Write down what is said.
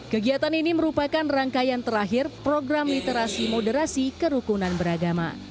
kegiatan ini merupakan rangkaian terakhir program literasi moderasi kerukunan beragama